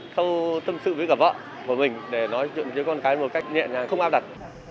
không tâm sự với cả vợ của mình để nói chuyện với con cái một cách nhẹ nhàng không áp đặt